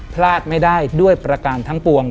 พลาดไม่ได้ด้วยประการทั้งปวง